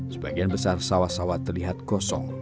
sebagian besar sawah sawah terlihat kosong